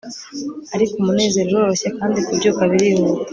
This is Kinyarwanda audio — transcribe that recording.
Ariko umunezero uroroshye kandi kubyuka birihuta